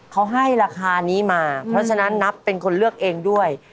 เขาให้ราคานี้มาเพราะฉะนั้นนับเป็นคนเลือกเองด้วย